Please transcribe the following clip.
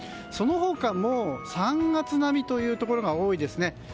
その他も３月並みというところが多いですね。